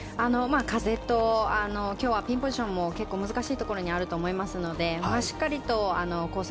風と今日はピンポジションも結構、難しいところにあると思いますのでしっかりとコース